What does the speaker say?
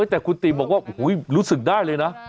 แต่คุณติบอกว่ารู้สึกได้เลยนะ